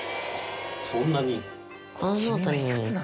そんなに。